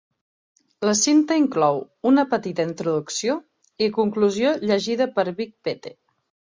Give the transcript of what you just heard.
La cinta inclou una petita introducció i conclusió llegida per Big Pete.